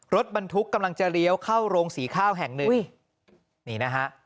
รถบรรทุกกำลังจะเลี้ยวเข้าโรงสีข้าวแห่งหนึ่งนี่นะฮะ